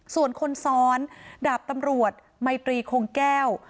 ส่วนคนซ้อนดาบตำรวจไมตรีคงแก้ว